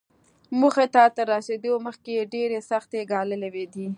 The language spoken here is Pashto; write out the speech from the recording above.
موخې ته تر رسېدو مخکې يې ډېرې سختۍ ګاللې دي.